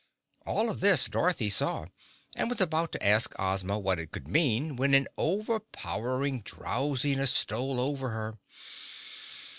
All of this Dorothy saw, and was about to ask Ozma what it could mean when an overpowering drowsiness stole over her.